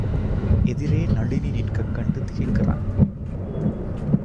எதிரே நளினி நிற்கக்கண்டு திகைக்கிறான்.